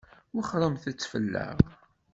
Wexxṛemt-tt fell-aɣ.